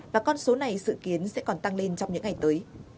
và con số này dự kiến sẽ còn tăng lên trong những ngày tới